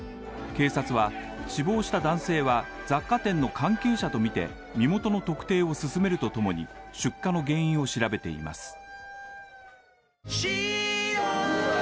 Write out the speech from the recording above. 警察は死亡した男性は、雑貨店の関係者とみて身元の特定を進めるとともに出火の原因を調べています。